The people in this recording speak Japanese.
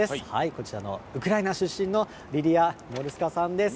こちらのウクライナ出身のリリア・モルスカさんです。